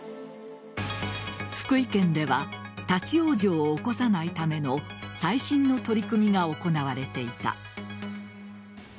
福井県では立ち往生を起こさないための最新の取り組みが行われていた。